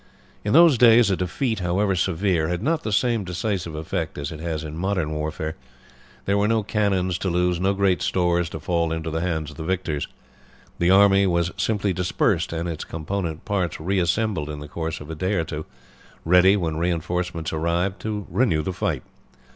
In those days a defeat, however severe, had not the same decisive effect as it has in modern warfare. There were no cannons to lose, no great stores to fall into the hands of the victors. The army was simply dispersed, and its component parts reassembled in the course of a day or two, ready, when reinforcements arrived, to renew the fight.